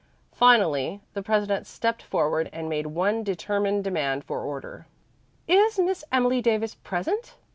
Finally the president stepped forward and made one determined demand for order. "Is Miss Emily Davis present?"